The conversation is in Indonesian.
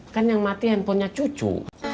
kan yang mati handphonenya cucu